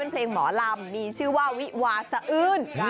เพลงหมอลำมีชื่อว่าวิวาสะอื้น